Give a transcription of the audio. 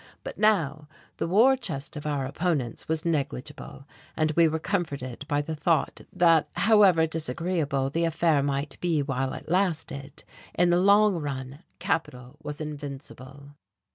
But now the war chest of our opponents was negligible; and we were comforted by the thought that, however disagreeable the affair might be while it lasted, in the long run capital was invincible.